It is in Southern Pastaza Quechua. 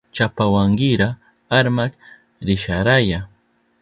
Chapawankira armak risharaya.